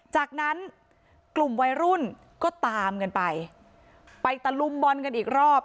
จากนั้นกลุ่มวัยรุ่นก็ตามกันไปไปตะลุมบอลกันอีกรอบ